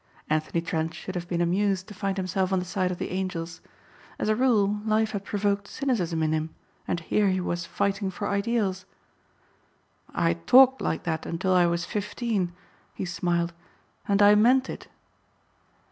Anthony Trent should have been amused to find himself on the side of the angels. As a rule life had provoked cynicism in him and here he was fighting for ideals. "I talked like that until I was fifteen," he smiled, "and I meant it."